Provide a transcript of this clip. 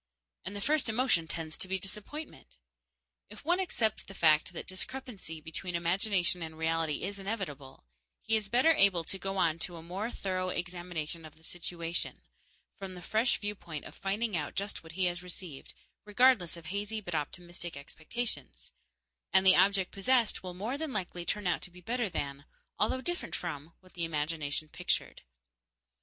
And the first emotion tends to be disappointment. If one accepts the fact that discrepancy between imagination and reality is inevitable, he is better able to go on to a more thorough examination of the situation, from the fresh viewpoint of finding out just what he has received, regardless of hazy but optimistic expectations; and the object possessed will more than likely turn out to be better than, although different from, what the imagination pictured.